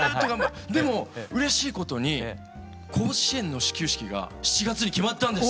でもうれしいことに甲子園の始球式が７月に決まったんです！